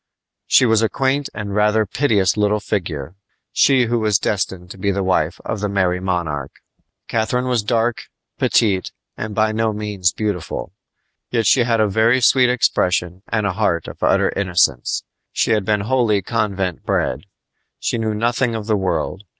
She was a quaint and rather piteous little figure, she who was destined to be the wife of the Merry Monarch. Catharine was dark, petite, and by no means beautiful; yet she had a very sweet expression and a heart of utter innocence. She had been wholly convent bred. She knew nothing of the world.